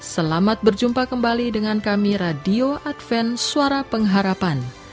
selamat berjumpa kembali dengan kami radio adven suara pengharapan